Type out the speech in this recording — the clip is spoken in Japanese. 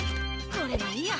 これもいいや。